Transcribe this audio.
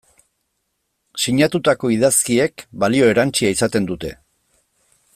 Sinatutako idazkiek balio erantsia izaten dute.